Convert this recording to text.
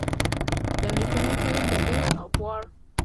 د امريکني فلم The Beast of War